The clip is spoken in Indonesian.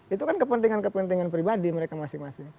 itu kan kepentingan kepentingan pribadi mereka masing masing